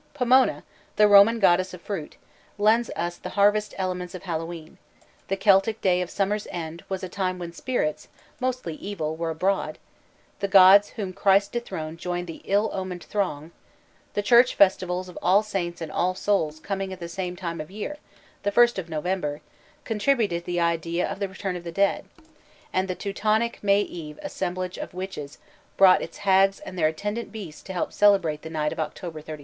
Pomona, the Roman goddess of fruit, lends us the harvest element of Hallowe'en; the Celtic day of "summer's end" was a time when spirits, mostly evil, were abroad; the gods whom Christ dethroned joined the ill omened throng; the Church festivals of All Saints' and All Souls' coming at the same time of year the first of November contributed the idea of the return of the dead; and the Teutonic May Eve assemblage of witches brought its hags and their attendant beasts to help celebrate the night of October 31st.